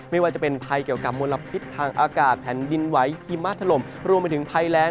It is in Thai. ไม่ว่าจะเป็นภัยเกี่ยวกับมลพิษทางอากาศแผ่นดินไหวหิมะถล่มรวมไปถึงภัยแรง